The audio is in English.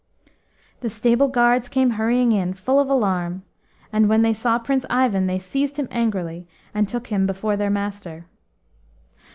The stable guards came hurrying in, full of alarm, and when they saw Prince Ivan they seized him angrily, and took him before their master.